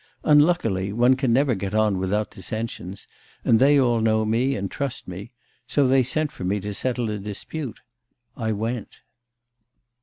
Unluckily, one can never get on without dissensions, and they all know me, and trust me; so they sent for me to settle a dispute. I went.